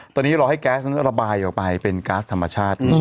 ตอนนี้รอให้แก๊สนั้นระบายออกไปเป็นก๊าซธรรมชาติ